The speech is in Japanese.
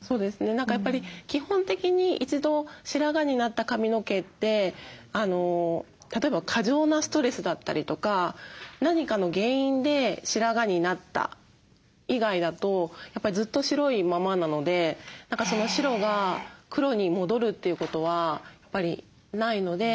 そうですね何かやっぱり基本的に一度白髪になった髪の毛って例えば過剰なストレスだったりとか何かの原因で白髪になった以外だとやっぱずっと白いままなので何かその白が黒に戻るということはやっぱりないので。